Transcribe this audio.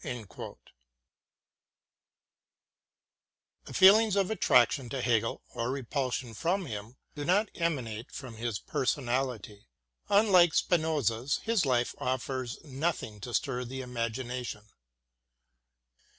" The feelings of attraction to Hegel or repulsion from him do not emanate from his personality. Unlike Spinoza's, his life offers nothing to stir the imagination.